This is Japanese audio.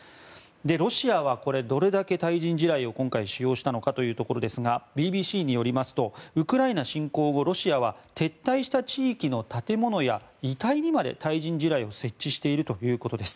ロシアはどれだけ対人地雷を今回使用したのかというところですがＢＢＣによりますとウクライナ侵攻後、ロシアは撤退した地域の建物や遺体にまで対人地雷を設置しているということです。